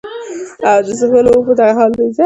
او د څښلو اوبو دغه حال دے